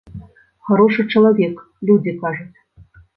Харошы чалавек, людзі кажуць.